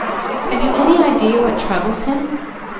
"Have you any idea what troubles him?"